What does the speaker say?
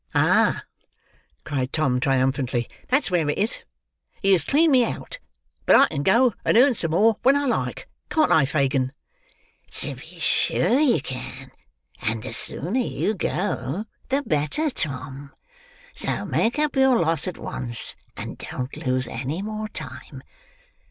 "Ah!" cried Tom, triumphantly, "that's where it is! He has cleaned me out. But I can go and earn some more, when I like; can't I, Fagin?" "To be sure you can, and the sooner you go the better, Tom; so make up your loss at once, and don't lose any more time.